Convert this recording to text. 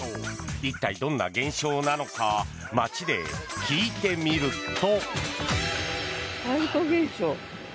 一体どんな現象なのか街で聞いてみると。